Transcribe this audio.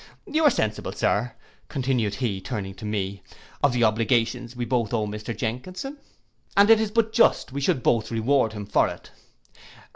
You are sensible, Sir,' continued he, turning to me, 'of the obligations we both owe Mr Jenkinson. And it is but just we should both reward him for it.